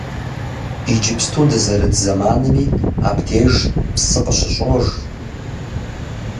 Иджыпсту дызэрыт зэманми абдеж псы къыщыщӏож.